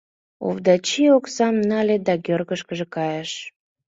Овдачи оксам нале да кӧргышкӧ кайыш.